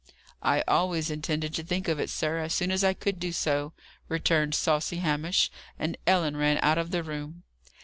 "I always intended to think of it, sir, as soon as I could do so," returned saucy Hamish. And Ellen ran out of the room.